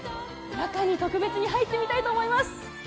中に特別に入ってみたいと思います。